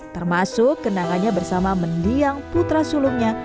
termasuk kenangannya bersama mendiang putra sulungnya